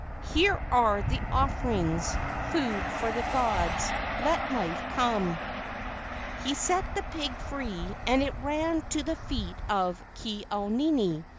Here are the offerings,— Food for the gods: Let life come!" He set the pig free and it ran to the feet of Ke au nini.